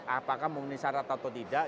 apakah memenuhi syarat atau tidak